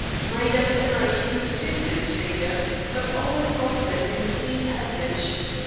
Night after night he pursued this figure, but always lost it in the same passage.